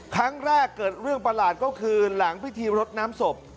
ครั้งแรกเกิดเรื่องประหลาดก็คือหลังพิธีรดน้ำศพ